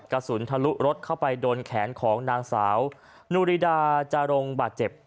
กระสุนทะลุรถเข้าไปโดนแขนของนางสาวนุริดาจารงบาดเจ็บ